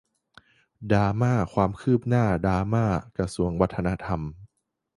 ดราม่า ความคืบหนั้าดราม่ากระทรวงวัฒนธรรม